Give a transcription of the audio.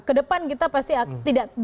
kedepan kita pasti tidak